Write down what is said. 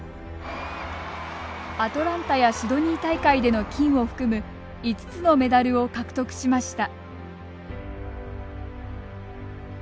アトランタやシドニー大会での金を含む５つのメダルを獲得しました。